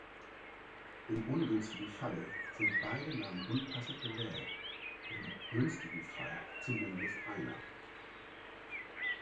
Im ungünstigen Falle sind beide Namen unpassend gewählt, im günstigen Fall zumindest einer.